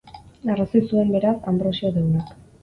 Arrazoi zuen, beraz, Anbrosio deunak.